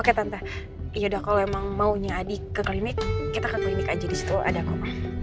oke tante yaudah kalau emang maunya adi ke klinik kita ke klinik aja di situ ada koma